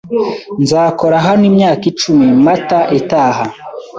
Nzakora hano imyaka icumi Mata itaha.